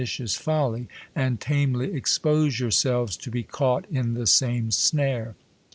cious folly, and tamely expose yourselves to be caught in the same snare